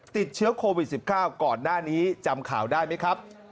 ติดเชื้อโควิด๑๙ก่อนหน้านี้จำข่าวได้ไหมครับ